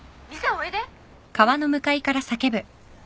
おいで！